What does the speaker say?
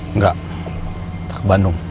enggak kita ke bandung